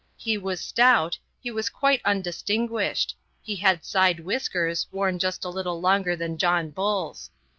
He was stout; he was quite undistinguished; and he had side whiskers, worn just a little longer than John Bull's.